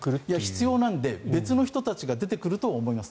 必要なので別の人たちが出てくるとは思います。